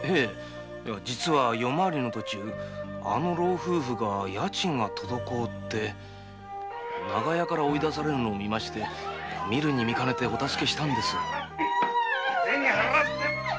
実は夜回りの途中あの老夫婦が家賃が滞って長屋から追い出されるのを見て見かねてお助けしたんです。